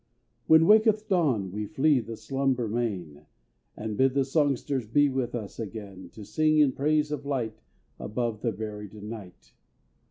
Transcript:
When waketh dawn, we flee The slumber main, And bid the songsters be With us again To sing in praise of light Above the buried night.